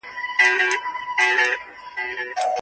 د پسرلي موسم په رارسېدو سره ټول افغانستان د ګلانو په رنګ رنګېږي.